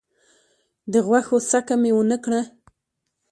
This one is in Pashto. د غوښو څکه مي ونه کړه .